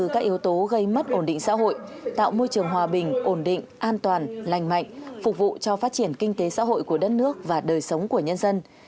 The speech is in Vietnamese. các yếu tố gây mất ổn định xã hội tạo môi trường hòa bình ổn định an toàn lành mạnh phục vụ cho phát triển kinh tế xã hội của đất nước và đời sống của nhân dân